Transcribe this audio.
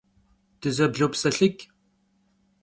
Dızeblopselhıç'.